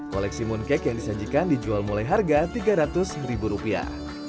koleksi mooncake yang disajikan dijual mulai harga tiga ratus ribu rupiah